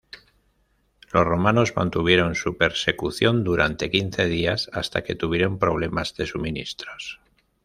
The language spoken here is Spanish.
Los romanos mantuvieron su persecución durante quince días hasta que tuvieron problemas de suministros.